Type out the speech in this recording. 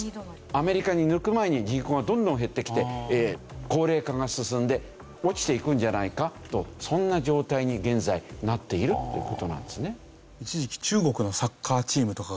アメリカを抜く前に人口がどんどん減ってきて高齢化が進んで落ちていくんじゃないかとそんな状態に現在なっているっていう事なんですね。